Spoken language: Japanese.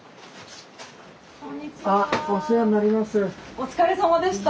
お疲れさまでした。